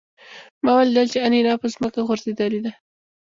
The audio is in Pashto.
ما ولیدل چې انیلا په ځمکه غورځېدلې ده